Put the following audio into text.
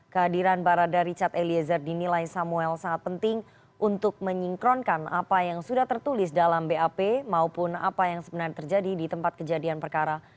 kehadiran barada richard eliezer dinilai samuel sangat penting untuk menyingkronkan apa yang sudah tertulis dalam bap maupun apa yang sebenarnya terjadi di tempat kejadian perkara